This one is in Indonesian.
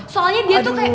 soalnya dia tuh kayak